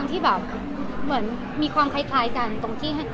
มันมีความคล้ายกัน